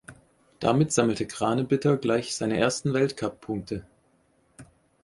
Damit sammelte Kranebitter gleich seine ersten Weltcuppunkte.